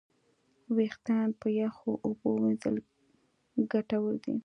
وېښتيان په یخو اوبو وینځل ګټور دي.